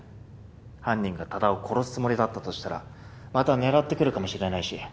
犯人が多田を殺すつもりだったとしたらまた狙ってくるかもしれないし。